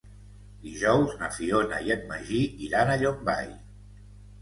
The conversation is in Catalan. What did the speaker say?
Dijous na Fiona i en Magí iran a Llombai.